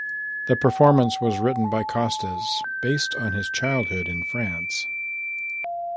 The performance was written by Costes, based on his childhood in France.